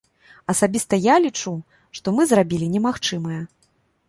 Асабіста я лічу, што мы зрабілі немагчымае.